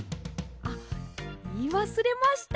あっいいわすれました。